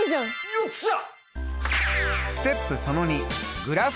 よっしゃ！